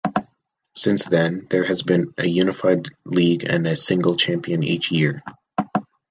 Since then, there has been a unified league and a single champion each year.